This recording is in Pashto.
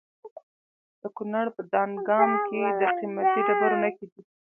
د کونړ په دانګام کې د قیمتي ډبرو نښې دي.